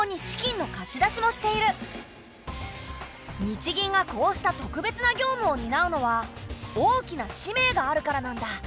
日銀がこうした特別な業務をになうのは大きな使命があるからなんだ。